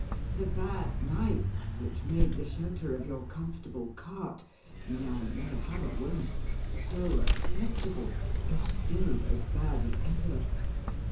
The bad night which made the shelter of your comfortable cart (may I never have a worse!) so acceptable, is still as bad as ever.